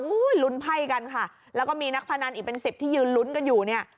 ลุ้นไพ่กันค่ะแล้วก็มีนักพนันอีกเป็นสิบที่ยืนลุ้นกันอยู่เนี่ย